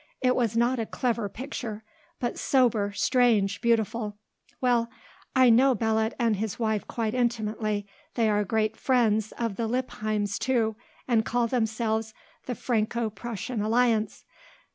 It was not a clever picture, but sober, strange, beautiful. Well, I know Belot and his wife quite intimately. They are great friends of the Lippheims, too, and call themselves the Franco Prussian alliance.